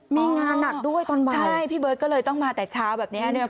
มีงานหนักด้วยตอนบ่ายใช่พี่เบิร์ตก็เลยต้องมาแต่เช้าแบบนี้เนี่ย